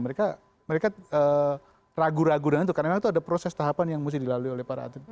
mereka ragu ragu dengan itu karena memang itu ada proses tahapan yang mesti dilalui oleh para atlet